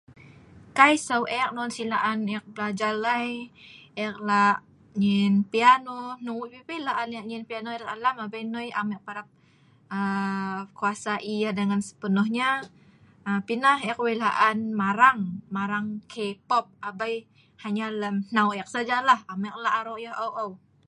Kai sou eek non si laan eek blajal ai, eek la' nyien piano, hnung wei' pi pi laan eek nyien piano erat alam abei nnoi am eek parap um kuasai yah dengan sepenuhnya, pi nah eek wei' laan marang, marang KPop abei lem hnau eek saja lah am eek la' aro' yah o'ou